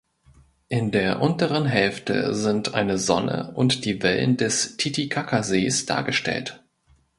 In der unteren Hälfte sind eine Sonne und die Wellen des Titicacasees dargestellt.